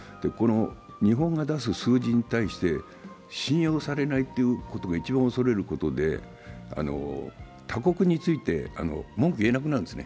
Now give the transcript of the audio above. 日本が出す数字に対して信用されないということが一番恐れることで、他国について文句を言えなくなるんですね。